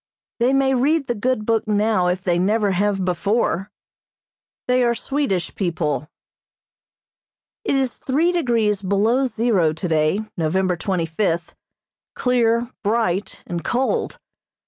They may read the good book now if they never have before. They are Swedish people. It is three degrees below zero today, November twenty fifth, clear, bright and cold.